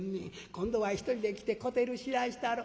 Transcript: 今度は１人で来て小照知らしたろ」。